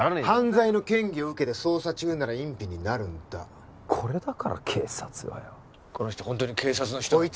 犯罪の嫌疑を受けて捜査中なら隠避になるんだこれだから警察はよこの人ホントに警察の人？